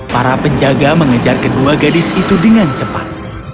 para penjaga mengejar kedua gadis itu dengan cepat